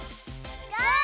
ゴー！